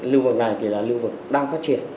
lưu vực này thì là lưu vực đang phát triển